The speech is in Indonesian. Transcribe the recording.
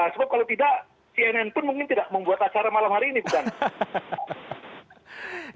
sebab kalau tidak cnn pun mungkin tidak membuat acara malam hari ini bukan